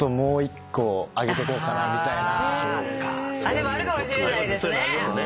でもあるかもしれないですね。